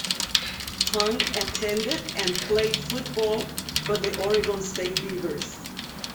Tongue attended and played football for the Oregon State Beavers.